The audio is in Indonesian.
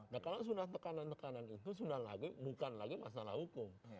nah kalau sudah tekanan tekanan itu sudah lagi bukan lagi masalah hukum